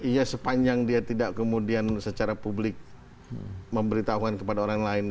ya sepanjang dia tidak kemudian secara publik memberitahuan kepada orang lain